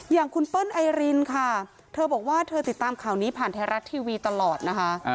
อย่างคุณเปิ้ลไอรินค่ะเธอบอกว่าเธอติดตามข่าวนี้ผ่านไทยรัฐทีวีตลอดนะคะ